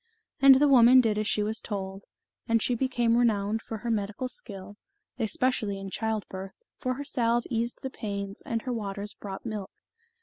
And the woman did as she was told, and she became renowned for her medical skill, especially in childbirth, for her salve eased the pains, and her waters brought milk.